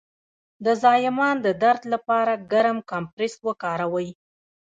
د زایمان د درد لپاره ګرم کمپرس وکاروئ